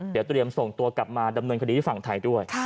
เดี๋ยวเตรียมส่งตัวกลับมาดำเนินคดีที่ฝั่งไทยด้วย